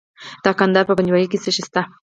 د کندهار په پنجوايي کې څه شی شته؟